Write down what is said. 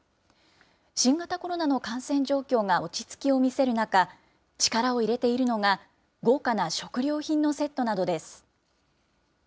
新型コロナの感染状況が落ち着きを見せる中、力を入れているのが、豪華な食料品のセットなどです。